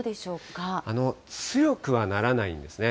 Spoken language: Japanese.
強くはならないんですね。